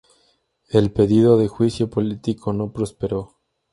El pedido de juicio político no prosperó.